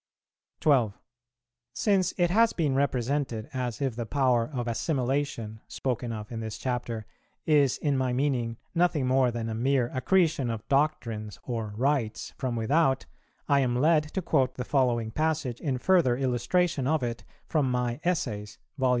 12. Since it has been represented as if the power of assimilation, spoken of in this Chapter, is in my meaning nothing more than a mere accretion of doctrines or rites from without, I am led to quote the following passage in further illustration of it from my "Essays," vol.